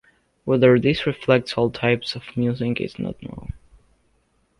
Whether this reflects all types of music is not known.